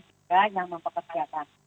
juga yang mempekerjakan